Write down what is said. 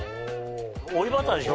追いバターでしょ？